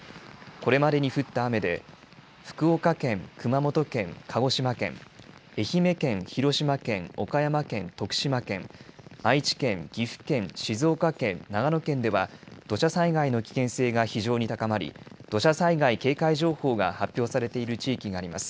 これまでに降った雨で福岡県、熊本県、鹿児島県、愛媛県、広島県、岡山県、徳島県、愛知県、岐阜県、静岡県、長野県では土砂災害の危険性が非常に高まり、土砂災害警戒情報が発表されている地域があります。